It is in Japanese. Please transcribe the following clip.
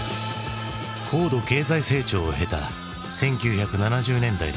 高度経済成長を経た１９７０年代の日本。